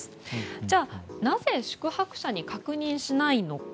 じゃあ、なぜ宿泊者に確認しないのか。